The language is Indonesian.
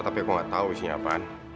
tapi aku gak tau isinya apaan